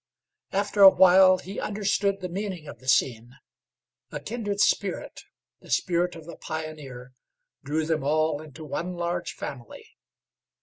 After a while he understood the meaning of the scene. A kindred spirit, the spirit of the pioneer, drew them all into one large family.